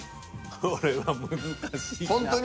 これは難しいな。